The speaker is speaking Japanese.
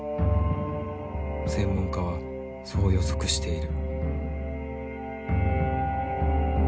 専門家はそう予測している。